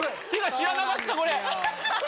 知らなかったこれ！